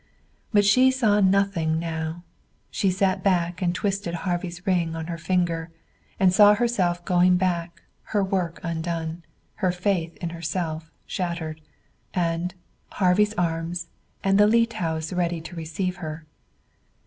But she saw nothing now. She sat back and twisted Harvey's ring on her finger, and saw herself going back, her work undone, her faith in herself shattered. And Harvey's arms and the Leete house ready to receive her.